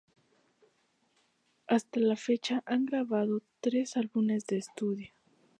Hasta la fecha han grabado tres álbumes de estudio.